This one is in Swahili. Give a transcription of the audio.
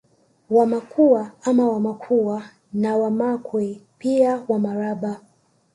Wamakua au Wamakhuwa na Wamakwe pia Wamaraba